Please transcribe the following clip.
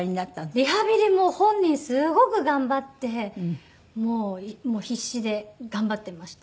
リハビリもう本人すごく頑張って必死で頑張ってました。